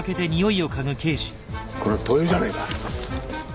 これ灯油じゃねえか。